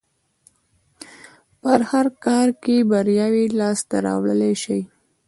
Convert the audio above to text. په هر ښه کار کې برياوې لاس ته راوړلای شي.